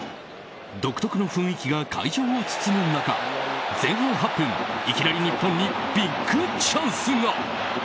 独特の雰囲気が会場を包む中前半８分いきなり日本にビッグチャンスが。